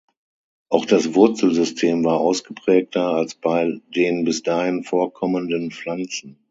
Auch das Wurzelsystem war ausgeprägter als bei den bis dahin vorkommenden Pflanzen.